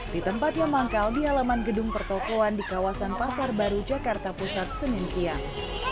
di tempat yang manggal di halaman gedung pertokohan di kawasan pasar baru jakarta pusat senin siang